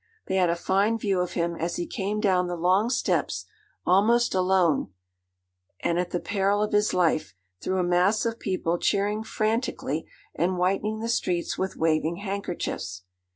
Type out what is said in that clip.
They had a fine view of him as he came down the long steps, almost alone, and at the peril of his life, through a mass of people cheering frantically, and whitening the streets with waving handkerchiefs.